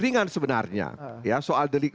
ringan sebenarnya soal delik